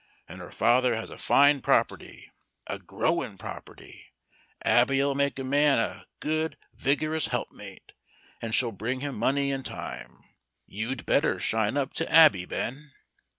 And her father has a fine property a growin' property. Abby'll make a man a good, vigorous helpmate, and she'll bring him money in time. You'd better shine up to Abby, Ben."